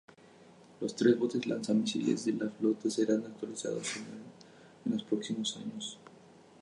Los tres botes lanzamisiles de la flota serán actualizados en los próximos años.